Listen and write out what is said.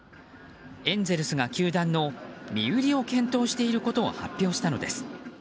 エンゼルスが球団の身売りを検討していることを発表したのです。